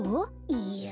いや。